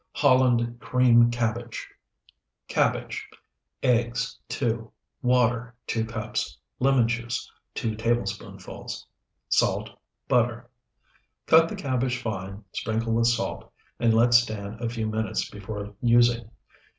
HOLLAND CREAM CABBAGE Cabbage. Eggs, 2. Water, 2 cups. Lemon juice, 2 tablespoonfuls. Salt. Butter. Cut the cabbage fine, sprinkle with salt, and let stand a few minutes before using.